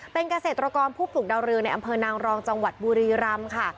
เป็นเกษตรกรผู้ปลูกดาวเรืองในอำเภอนางรองจังหวัดบุรีรำค่ะ